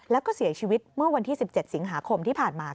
แล้วก็เสียชีวิตเมื่อวันที่๑๗สิงหาคมที่ผ่านมา